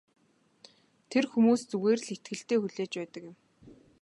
Тэр хүмүүс зүгээр л итгэлтэй хүлээж байдаг юм.